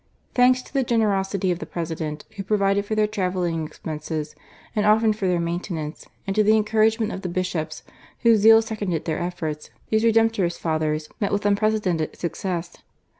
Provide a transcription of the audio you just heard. Thanks to the generosity of the President, who provided for their travelling expenses and often for their maintenance, and to the encouragement of the Bishops, whose zea.\ seconded their efforts, these Redemptorist Fathers met with unprecedented success.